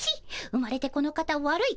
生まれてこの方わるい